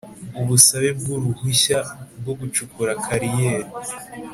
Ubusabe bw uruhushya rwo gucukura kariyeri